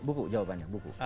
buku jawabannya buku